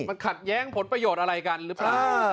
มันขัดแย้งผลประโยชน์อะไรกันหรือเปล่า